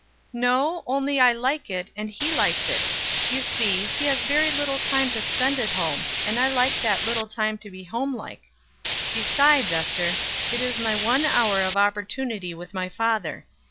"No; only I like it, and he likes it. You see, he has very little time to spend at home, and I like that little to be homelike; besides, Ester, it is my one hour of opportunity with my father.